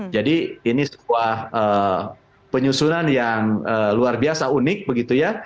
jadi ini sebuah penyusunan yang luar biasa unik begitu ya